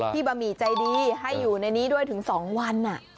บะหมี่ใจดีให้อยู่ในนี้ด้วยถึง๒วัน